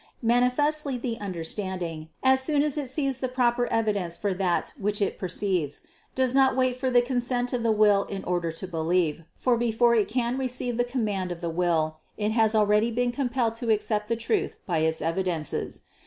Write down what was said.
Manifestly the understanding, as soon as it sees the prop er evidence for that which it perceives, does not wait for the consent of the will in order to believe, for before it can receive the command of the will, it has already been compelled to accept the truth by its evidences.